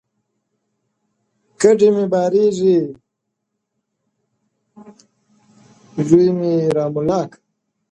کډي مي بارېږي، زوىمي را ملا که.